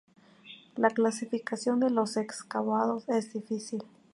La clasificación de los excavados es difícil.